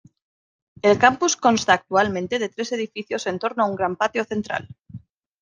El Campus consta actualmente de tres edificios en torno a un gran patio central.